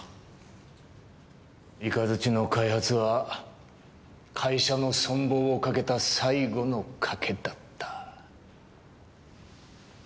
イカズチの開発は会社の存亡をかけた最後の賭けだった。